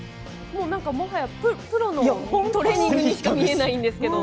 もはやプロのトレーニングにしか見えないんですけど。